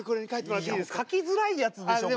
書きづらいやつでしょ